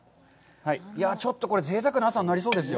ちょっとこれ、ぜいたくな朝になりそうですよ。